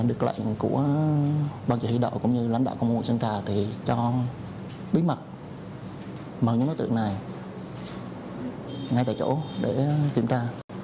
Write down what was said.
được lệnh của bác chủ thị đạo cũng như lãnh đạo công an quận sơn trà thì cho bí mật mở những đối tượng này ngay tại chỗ để kiểm tra